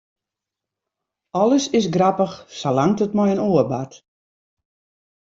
Alles is grappich, salang't it mei in oar bart.